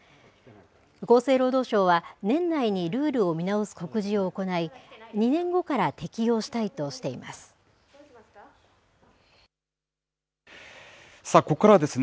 厚生労働省は年内にルールを見直す告示を行い、２年後から適用したいとしています。